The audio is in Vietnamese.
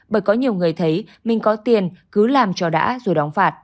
bởi có nhiều người thấy mình có tiền cứ làm cho đã rồi đóng phạt